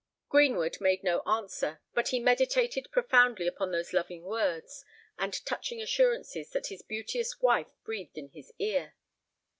Greenwood made no answer; but he meditated profoundly upon those loving words and touching assurances that his beauteous wife breathed in his ear.